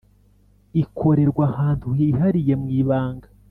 ikorerwa ahantu hihariye mwibanga